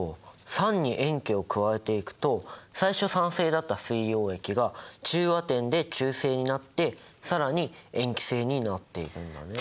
酸に塩基を加えていくと最初酸性だった水溶液が中和点で中性になって更に塩基性になっているんだね。